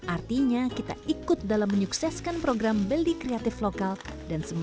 artinya kita ikut dalam menyukseskan program beli kreatif lokal dan semakin bangga buatan indonesia